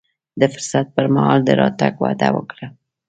د فرصت پر مهال د راتګ وعده وکړه.